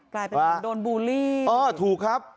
กลายเป็นเหมือนโดนบูลลี่อ๋อถูกครับ